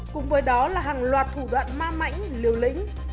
cùng với đó là hàng loạt thủ đoạn ma mãnh liều lĩnh